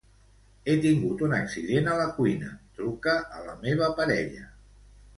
He tingut un accident a la cuina; truca a la meva parella.